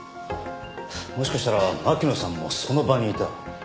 もしかしたら巻乃さんもその場にいた？